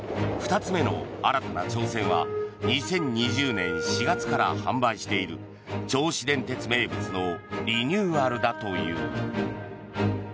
２つ目の新たな挑戦は２０２０年４月から販売している銚子電鉄名物のリニューアルだという。